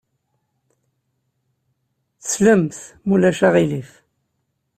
Slemt, ma ulac aɣilif.